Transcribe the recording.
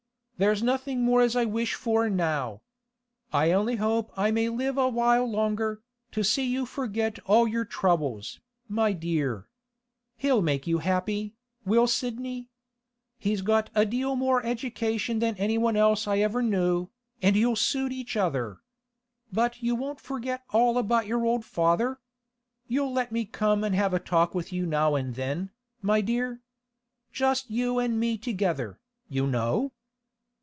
There's nothing more as I wish for now. I only hope I may live a while longer, to see you forget all your troubles, my dear. He'll make you happy, will Sidney; he's got a deal more education than anyone else I ever knew, and you'll suit each other. But you won't forget all about your old father? You'll let me come an' have a talk with you now and then, my dear, just you an' me together, you know?